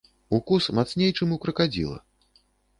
Укус мацней, чым у кракадзіла.